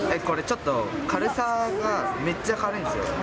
これちょっと軽さが、めっちゃ軽いんですよ。